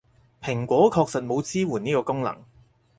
蘋果確實冇支援呢個功能